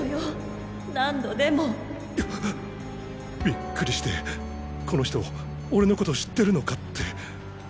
びっくりしてこの人俺のこと知ってるのかって。